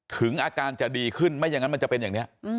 ถึงอาการจะดีขึ้นไม่อย่างนั้นมันจะเป็นอย่างนี้